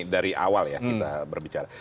dari awal ya kita berbicara